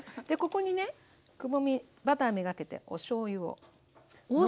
でここにねくぼみバター目がけておしょうゆを。